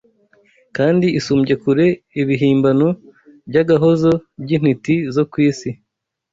kandi isumbye kure ibihimbano by’agahozo by’intiti zo ku isi